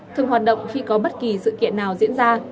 thường hoạt động khi có bất kỳ sự kiện nào diễn ra